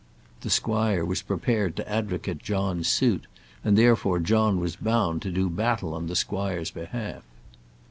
The squire was prepared to advocate John's suit, and therefore John was bound to do battle on the squire's behalf.